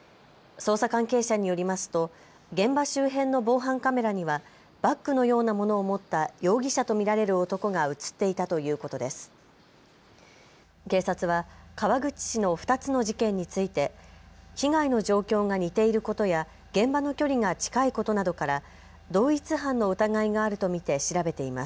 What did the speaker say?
捜査関係者によりますと現場周辺の防犯カメラにはバッグのようなものを持った容疑者と見られる男が写っていたということです。